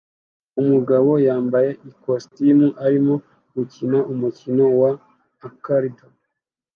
Umugabo wambaye ikositimu arimo gukina umukino wa arcade